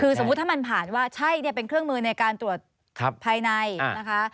คือสมมุติถ้ามันผ่านว่าใช่เป็นเครื่องมือในการตรวจภายในนะคะ